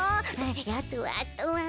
あとはあとは。